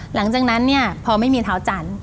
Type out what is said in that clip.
หลังจากนั้นเนี่ยพอไม่มีเท้าจันทร์